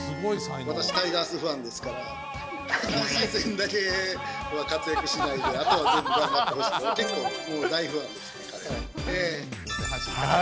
私、タイガースファンですから、阪神戦だけは活躍しないで、あとは全部頑張ってほしい。